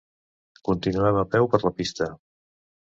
Continuem a peu per la pista.